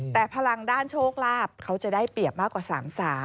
แต่พลังด้านโชคลาภเขาจะได้เปรียบมากกว่า๓๓